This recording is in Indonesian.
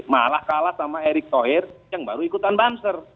malah kalah sama erick thohir yang baru ikutan banser